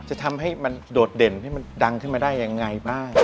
จะทำให้มันโดดเด่นให้มันดังขึ้นมาได้ยังไงบ้าง